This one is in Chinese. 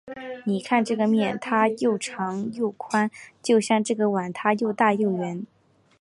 你看这个面，它又长又宽，就像这个碗，它又大又圆。